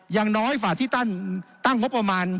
อย่างน้อยฝ่าที่ท่านตั้งงบประมาณ